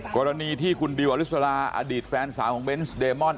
กรณีที่คุณดิวอลิสลาอดีตแฟนสาวของเบนส์เดมอน